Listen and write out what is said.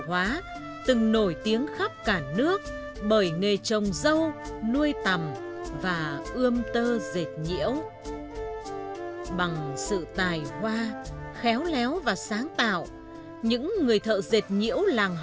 hãy đăng ký kênh để nhận thêm nhiều video mới nhé